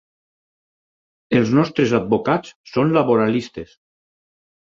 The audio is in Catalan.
Els nostres advocats són laboralistes.